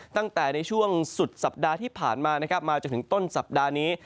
ตั้งแต่ในช่วงสุดสัปดาห์ที่ผ่านมานะครับมาจนถึงต้นสัปดาห์นี้